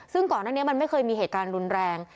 ซึ่งก่อนหน้านี้มันไม่เคยมีเหตุการณ์รุนแรง